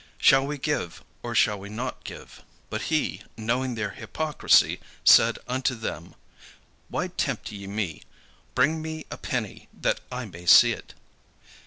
Shall we give, or shall we not give?" But he, knowing their hypocrisy, said unto them: "Why tempt ye me? Bring me a penny, that I may see it."